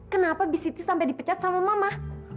kenapa bistri sampai dipecat sama mama